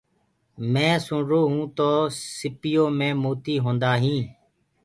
مينٚ سُڻرو هونٚ تو سيٚپو مي موتي هوندآ هينٚ۔